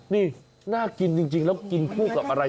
นี่น่ากินจริงแล้วกินคู่กับอะไร